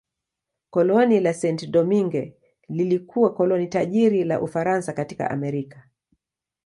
Koloni la Saint-Domingue lilikuwa koloni tajiri la Ufaransa katika Amerika.